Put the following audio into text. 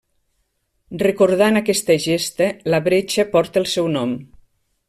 Recordant aquesta gesta, la bretxa porta el seu nom.